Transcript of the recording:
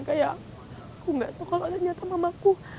kayak aku gak tau kalo ada nyata mamaku